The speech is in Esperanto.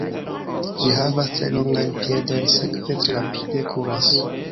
Ĝi havas tre longajn piedojn, sekve tre rapide kuras.